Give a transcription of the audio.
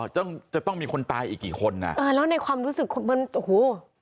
ต้องจะต้องมีคนตายอีกกี่คนอ่ะเออแล้วในความรู้สึกมันโอ้โห